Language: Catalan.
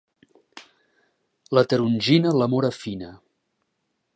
La tarongina l'amor afina.